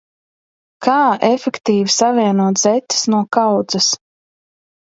Kā efektīvi savienot zeķes no kaudzes?